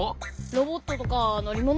ロボットとかのりもの？